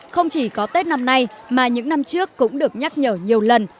không chỉ có tết năm nay mà những năm trước cũng được nhắc nhở nhiều lần